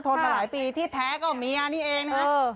มาหลายปีที่แท้ก็เมียนี่เองนะฮะ